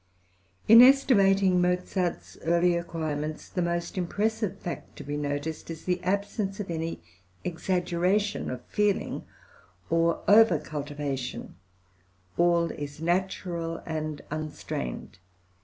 In estimating Mozart's early acquirements, the most impressive fact to be noticed is the absence of any exaggeration of feeling or over cultivation; all is natural and unstrained.